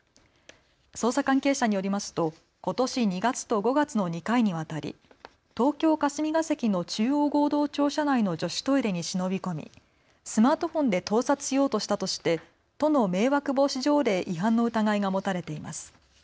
捜査関係者によりますとことし２月と５月の２回にわたり東京霞が関の中央合同庁舎内の女子トイレに忍び込みスマートフォンで盗撮しようとしたとして都の迷惑防止条例違反の疑いが持たれています。